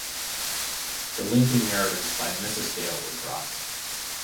The linking narratives by Mrs Dale were dropped.